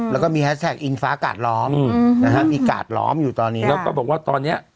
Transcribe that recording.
แล้วก็มีแฮสแท็กอิงฟ้ากาดล้อมนะฮะมีกาดล้อมอยู่ตอนนี้แล้วก็บอกว่าตอนเนี้ย